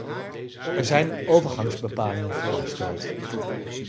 Er zijn overgangsbepalingen voorgesteld.